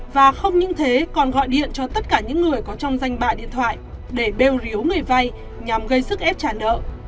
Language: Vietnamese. và không những thế còn gọi điện cho tất cả những người có trong danh bạ điện thoại để bêu riếu người vay nhằm gây sức ép trả nợ